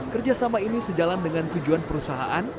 kerjasama ini sejalan dengan tujuan perusahaan